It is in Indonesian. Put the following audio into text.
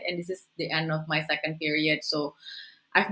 jadi saya telah menyiapkan